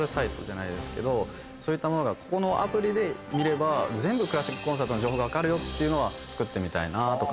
そういったものがここのアプリで見れば全部クラシックコンサートの情報が分かるよっていうのは作ってみたいなと。